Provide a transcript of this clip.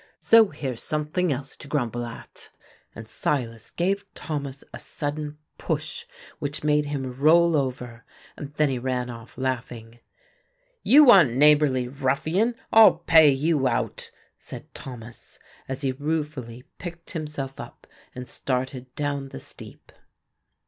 So here's something else to grumble at"; and Silas gave Thomas a sudden push which made him roll over, and then he ran off laughing. "You unneighbourly ruffian. I'll pay you out," said Thomas, as he ruefully picked himself up and started down the steep.